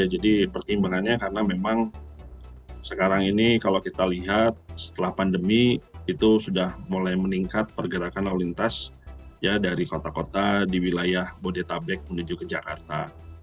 jadi pertimbangannya karena memang sekarang ini kalau kita lihat setelah pandemi itu sudah mulai meningkat pergerakan lalu lintas dari kota kota di wilayah bodetabek menuju ke jakarta